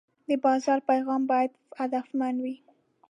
د بازار پیغام باید هدفمند وي.